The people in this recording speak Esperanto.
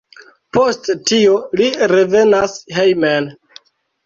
Post tio li revenas hejmen.